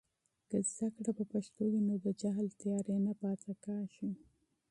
که علم په پښتو وي، نو د جهل تیارې نه پاتې کیږي.